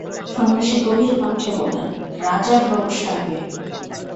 সন্ন্যাসী গভীর কণ্ঠে বললেন, রাজার রোগ সারবে।